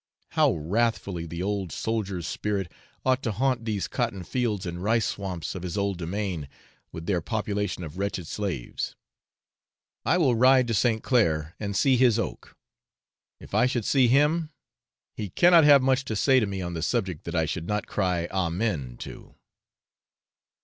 How wrathfully the old soldier's spirit ought to haunt these cotton fields and rice swamps of his old domain, with their population of wretched slaves! I will ride to St. Clair and see his oak; if I should see him, he cannot have much to say to me on the subject that I should not cry amen to.